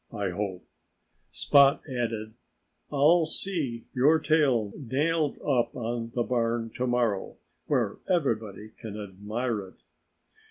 I hope," Spot added, "I'll see your tail nailed up on the barn to morrow, where everybody can admire it."